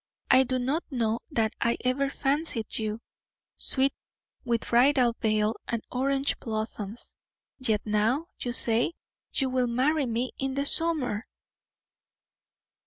I do not know that I ever fancied you, sweet, with bridal veil and orange blossoms; yet now, you say, you will marry me in the summer!"